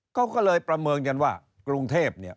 เขาก็เลยประเมินกันว่ากรุงเทพเนี่ย